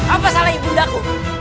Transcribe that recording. apa salah ibundaku